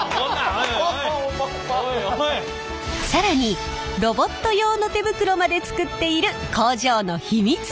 更にロボット用の手袋まで作っている工場の秘密に迫ります！